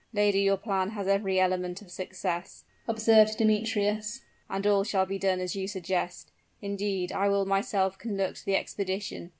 "Lady, your plan has every element of success," observed Demetrius; "and all shall be done as you suggest. Indeed, I will myself conduct the expedition.